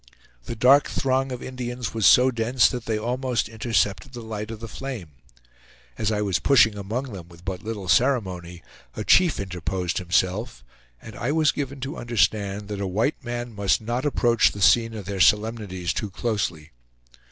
The dark throng of Indians was so dense that they almost intercepted the light of the flame. As I was pushing among them with but little ceremony, a chief interposed himself, and I was given to understand that a white man must not approach the scene of their solemnities too closely.